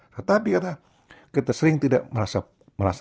tetapi karena kita sering tidak merasa